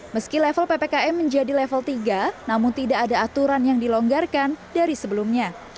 meski level ppkm menjadi level tiga namun tidak ada aturan yang dilonggarkan dari sebelumnya